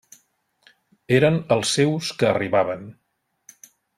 Eren els seus que arribaven.